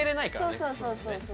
そうそうそうそうそう。